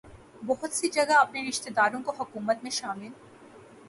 بہت سی جگہ اپنے رشتہ داروں کو حکومت میں شامل